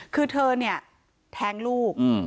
คือเธอเนี่ยแท้งลูก